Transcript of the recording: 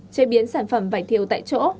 chế biến sản phẩm vải thiều tại chỗ